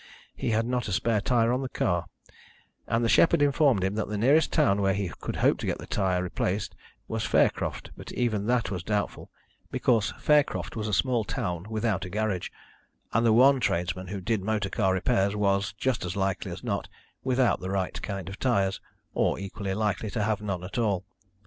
He had not a spare tyre on the car, and the shepherd informed him that the nearest town where he could hope to get the tyre replaced was Faircroft, but even that was doubtful, because Faircroft was a small town without a garage, and the one tradesman who did motor car repairs was, just as likely as not, without the right kind of tyres, or equally likely to have none at all.